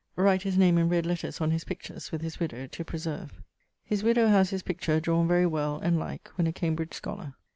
_> Write his name in red letters on his pictures, with his widowe, to preserve. His widowe haz his picture, drawne very well and like, when a Cambridge schollar.